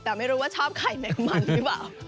แต่ไม่รู้ว่าชอบไข่แมงมันหรือเปล่า